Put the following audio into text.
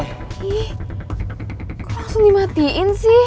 kok langsung dimatiin sih